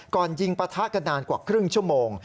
ก่อนยิงปะทะกันนานกว่าครึ่งชั่วโมง